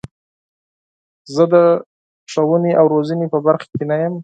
زه د ښوونې او روزنې په برخه کې نه یم.